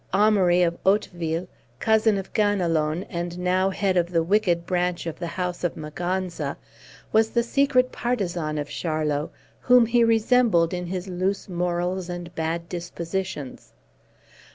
Amaury of Hauteville, cousin of Ganelon, and now head of the wicked branch of the house of Maganza, was the secret partisan of Charlot, whom he resembled in his loose morals and bad dispositions.